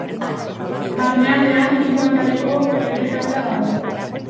Barnealdean hiru ataleko erretaula dago.